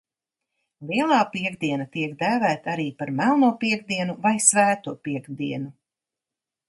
Lielā piektdiena tiek dēvēta arī par Melno piektdienu vai Svēto piektdienu.